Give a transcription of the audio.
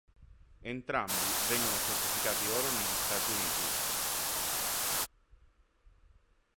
Entrambi vengono certificati oro negli Stati Uniti.